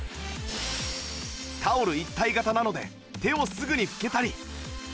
タオル一体型なので手をすぐに拭けたり